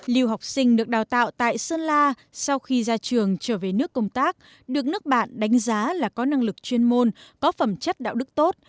lưu học sinh được đào tạo tại sơn la sau khi ra trường trở về nước công tác được nước bạn đánh giá là có năng lực chuyên môn có phẩm chất đạo đức tốt